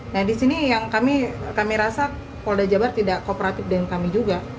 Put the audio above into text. nah di sini yang kami rasa polda jabar tidak kooperatif dengan kami juga